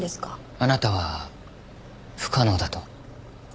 あなたは不可能だと？